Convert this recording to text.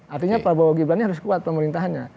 artinya pak prabowo giblani harus kuat pemerintahannya